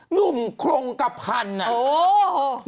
หนุ่มโครงกระพันธ์น่ะโอ้โฮ